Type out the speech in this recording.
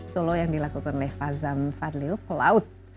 solo yang dilakukan oleh fazam fadlil pelaut